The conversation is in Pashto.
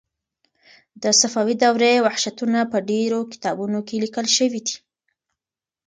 د صفوي دورې وحشتونه په ډېرو کتابونو کې لیکل شوي دي.